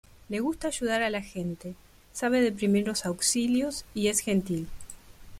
Le gusta ayudar a la gente, sabe de primeros auxilios y es gentil.